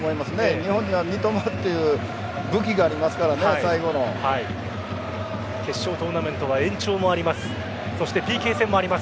日本には三笘という武器がありますから決勝トーナメントは延長もあります。